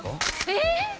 えっ！？